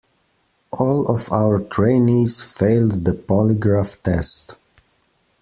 All of our trainees failed the polygraph test.